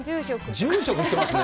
住職やってますね。